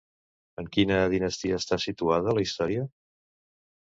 En quina Dinastia està situada la història?